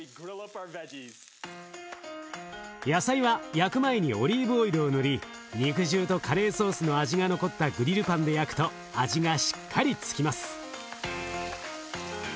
野菜は焼く前にオリーブオイルを塗り肉汁とカレーソースの味が残ったグリルパンで焼くと味がしっかり付きます。